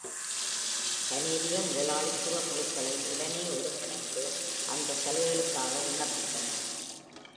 கானெடிய முதலாளித்துவ குழுக்கள உடனே ஒருங்கிணைந்து அந்த சலுகைகளுக்காக விண்ணப்பித்தன.